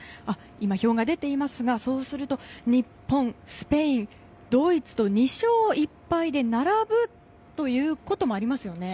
今、表が出ていますがそうすると、日本、スペインドイツと２勝１敗で並ぶということもありますね。